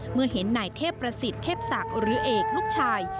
เมื่อเห็นนายเทพประสิทธิ์เทพศักดิ์หรือเอกลูกชาย